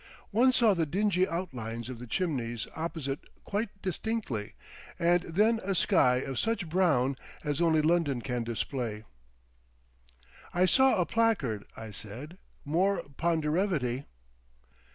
One saw the dingy outlines of the chimneys opposite quite distinctly, and then a sky of such brown as only London can display. "I saw a placard," I said: "'More Ponderevity.